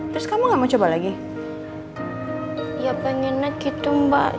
terus kamu gak mau coba lagi ya pengennya gitu mbak